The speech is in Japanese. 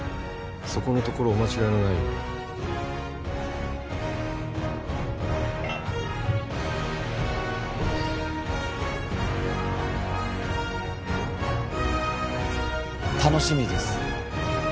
そこのところお間違えのないように楽しみです